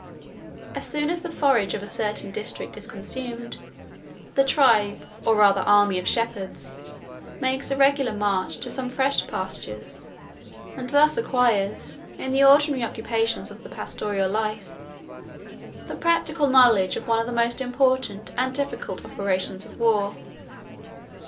As soon as the forage of a certain district is consumed, the tribe, or rather army, of shepherds, makes a regular march to some fresh pastures; and thus acquires, in the ordinary occupations of the pastoral life, the practical knowledge of one of the most important and difficult operations of war.